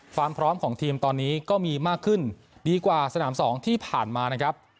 ความพร้อมของทีมตอนนี้ก็มีมากขึ้นดีกว่าสนามสองที่ผ่านมานะครับ